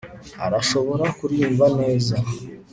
arashobora kuririmba neza